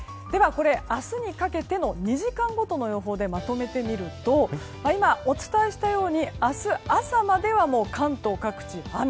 明日にかけても２時間ごとの予報でまとめてみると今、お伝えしたように明日朝までは関東各地、雨。